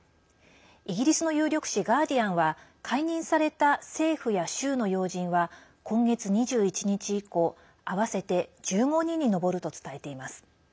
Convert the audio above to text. イギリスの有力紙ガーディアンは解任された政府や州の要人は今月２１日以降合わせて１５人に上ると伝えています。